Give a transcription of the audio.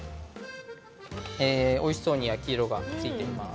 おいしそうに焼き色がついています。